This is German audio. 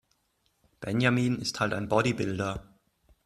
Benjamin ist halt ein Bodybuilder.